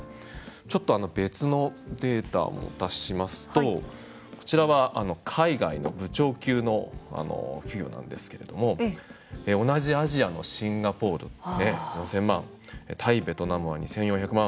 ちょっと別のデータを出しますとこちらは海外の部長級の給与なんですけれども同じアジアのシンガポール４０００万タイ、ベトナムは２４００万